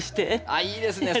あっいいですね。